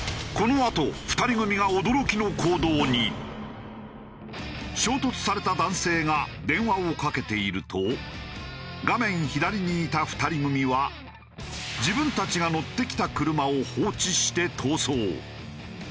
このあと衝突された男性が電話をかけていると画面左にいた２人組は自分たちが乗ってきた車を放置して逃走。